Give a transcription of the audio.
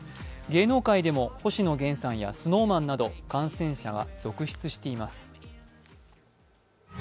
芸能界でも星野源さんやＳｎｏｗＭａｎなど感染者が続出しています。